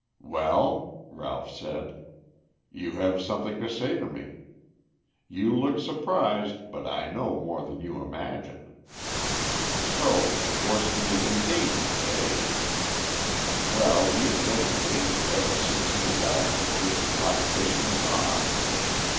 "Well?" Ralph said. "You have something to say to me. You look surprised, but I know more than you imagine. So Tchigorsky is in danger, eh? Well, he has been in danger ever since he and I took this black business on.